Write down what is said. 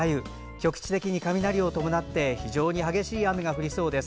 局地的に雷を伴って非常に激しい雨が降りそうです。